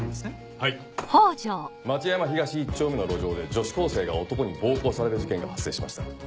はい町山東１丁目の路上で女子高生が男に暴行される事件が発生しました。